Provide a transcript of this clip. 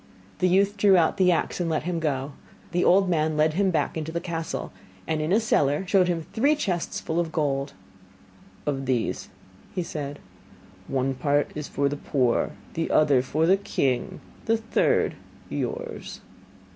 The youth drew out the axe and let him go. The old man led him back into the castle, and in a cellar showed him three chests full of gold. 'Of these,' said he, 'one part is for the poor, the other for the king, the third yours.